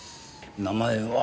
名前は。